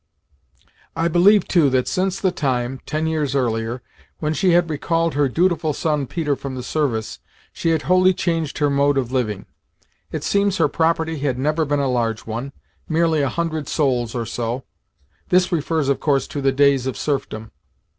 I believe, too, that since the time ten years earlier when she had recalled her dutiful son Peter from the service, she had wholly changed her mode of living. It seems her property had never been a large one merely a hundred souls or so [This refers, of course, to the days of serfdom.